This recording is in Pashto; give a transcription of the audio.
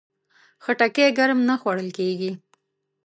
خټکی ګرم نه خوړل کېږي.